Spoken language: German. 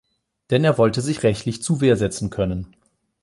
Denn er wollte sich rechtlich zu Wehr setzen können.